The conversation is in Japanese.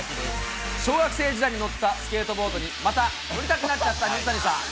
小学生時代に乗ったスケートボードにまた乗りたくなっちゃった水谷さん。